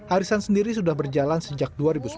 arisan sendiri sudah berjalan sejak dua ribu sembilan belas